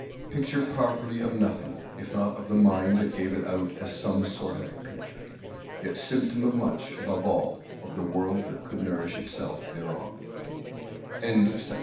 Picture properly of nothing, if not of the mind that gave it out as some sort of picture. Yet symptom of much; above all, of the world that could nourish itself thereon. BOOK 1.III.